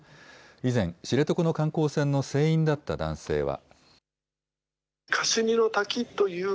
以前、知床の観光船の船員だった男性は。